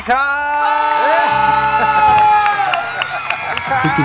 เพราะในลมพัดพาหัวใจพี่ไปถึง